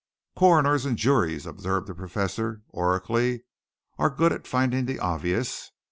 "Coroners and juries," observed the Professor oracularly, "are good at finding the obvious.